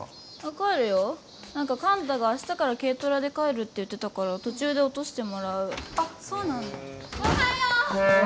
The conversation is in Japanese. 帰るよ何か寛太が明日から軽トラで帰るって言ってたから途中で落としてもらうあそうなんだおはよう！